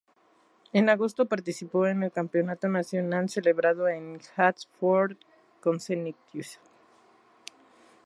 En agosto participó en el campeonato nacional celebrado en Hartford, Connecticut.